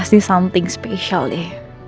pasti sesuatu yang spesial deh